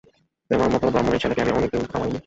তেমার মতো ব্রাহ্মণের ছেলেকে আমি অনেক দিন খাওয়াই নি।